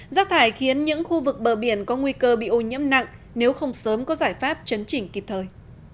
rác thải khiến những khu vực bờ biển có nguy cơ bị ô nhiễm nặng nếu không sớm có giải pháp chấn chỉnh kịp thời